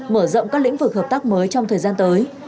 mở rộng các lĩnh vực hợp tác mới trong thời gian tới